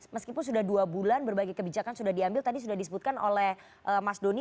meskipun sudah dua bulan berbagai kebijakan sudah diambil tadi sudah disebutkan oleh mas doni